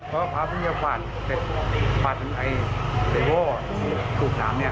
เพราะพระพุทธอย่าขวาดศัตรีเพราะไอตัวบัตรศัตรีโลเมืองน้ำเนี่ย